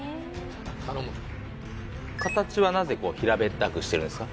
形はなぜ平べったくしてるんですか？